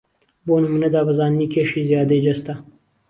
بۆ نموونە دابەزاندنی کێشی زیادەی جەستە